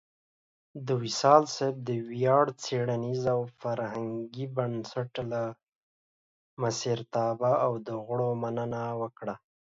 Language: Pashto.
وصال صېب د ویاړ څیړنیز او فرهنګي بنسټ لۀ مشرتابۀ او غړو مننه وکړه